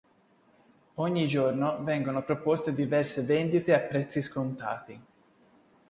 Ogni giorno vengono proposte diverse vendite a prezzi scontati.